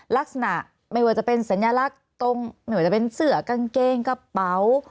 ลักษณะไม่ว่าจะเป็นสัญลักษณ์ตรงไม่ว่าจะเป็นเสือกางเกงกระเป๋า